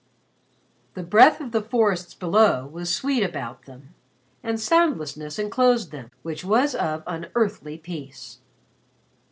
The breath of the forests below was sweet about them, and soundlessness enclosed them which was of unearthly peace.